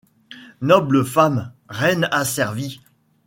Noble femme, reine asservie